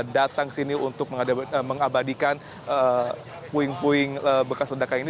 datang ke sini untuk mengabadikan puing puing bekas ledakan ini